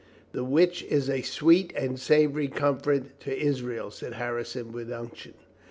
"The which is a sweet and savory comfort to Is rael," said Harrison with unction.